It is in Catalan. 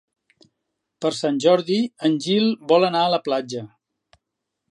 Per Sant Jordi en Gil vol anar a la platja.